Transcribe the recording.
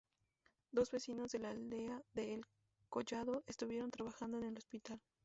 Dos vecinos de la aldea de El Collado estuvieron trabajando en el hospital.